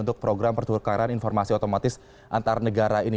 untuk program pertukaran informasi otomatis antar negara ini